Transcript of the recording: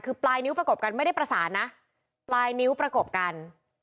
คือปลายนิ้วประกบกันไม่ได้ประสานนะปลายนิ้วประกบกัน